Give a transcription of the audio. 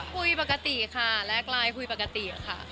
คุยปกติค่าแล้วใกล้เยี่ยมพูดปกติค่ะ